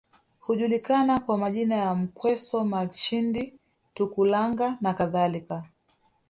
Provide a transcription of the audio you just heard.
Hujulikana kwa majina ya Mkweso Machindi Tukulanga nakadhalika